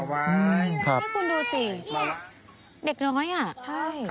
ให้คุณดูสิเด็กน้อยอะอือฮือครับ